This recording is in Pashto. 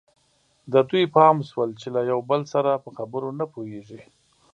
د دوی پام شول چې له یو بل سره په خبرو نه پوهېږي.